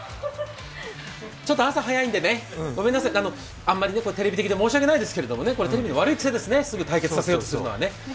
ちょっと朝早いんでね、ごめんなさいね、あんまりテレビ的で申し訳ないですけれども、テレビの悪い癖ですね、すぐ対決させようとするのは。